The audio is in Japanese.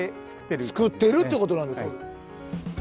作ってるってことなんですか。